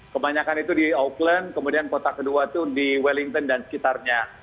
kebanyakan itu di auckland kemudian kota kedua itu di wellington dan sekitarnya